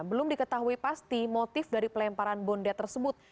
belum diketahui pasti motif dari pelemparan bondet tersebut